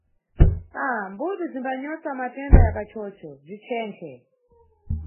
Ah, mbudu zimbanyosa matenda ya kachocho, bzichenkhe.